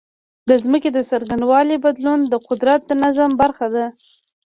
د ځمکې د څرنګوالي بدلون د قدرت د نظام برخه ده.